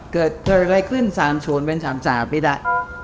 เกิดเคยได้ขึ้น๓ศูนย์เป็น๓ศูนย์ไม่ได้